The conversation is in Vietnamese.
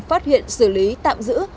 phát hiện xử lý tạm giữ